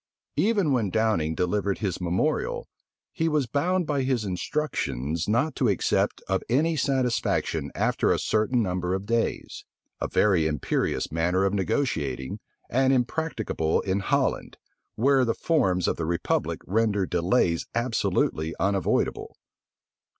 Even when Downing delivered his memorial, he was bound by his instructions not to accept of any satisfaction after a certain number of days: a very imperious manner of negotiating, and impracticable in Holland, where the forms of the republic render delays absolutely unavoidable.